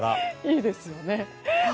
いいですよね。